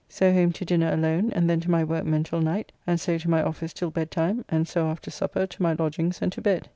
So home to dinner alone and then to my workmen till night, and so to my office till bedtime, and so after supper to my lodgings and to bed.